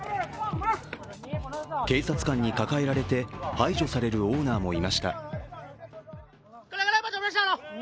警察官に抱えられて排除されるオーナーもいました。